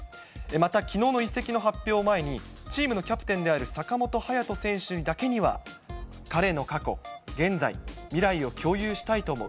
またきのうの移籍の発表を前に、チームのキャプテンである坂本勇人選手だけには、彼の過去、現在、未来を共有したいと思う。